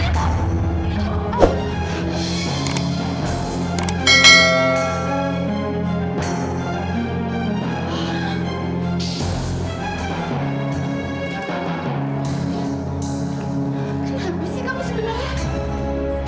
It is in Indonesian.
kenapa sih kamu sebenarnya